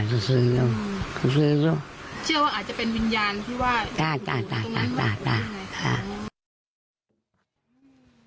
เชื่อว่าอาจจะเป็นวิญญาณที่ว่าได้